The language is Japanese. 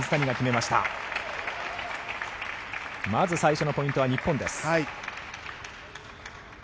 まず最初のポイントは日本です。